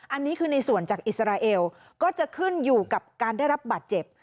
อันนี้คือในส่วนจากอิสราเอลก็จะขึ้นอยู่กับการได้รับบาดเจ็บ